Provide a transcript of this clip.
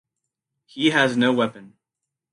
He has no weapon.